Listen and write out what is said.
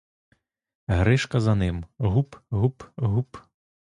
Гришка за ним: гуп, гуп, гуп!